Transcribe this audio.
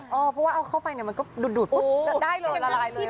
เพราะว่าเอาเข้าไปมันก็ดุดได้เลยละลายเลย